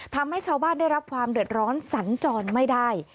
ทำให้ชาวบ้านได้รับความเดือดร้อนสัญจรไม่ได้